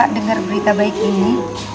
dengar berita baik gini